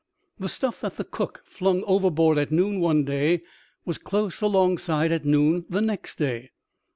The stuff that the qook flung overboard at noon one day was close alongside at noon the next day.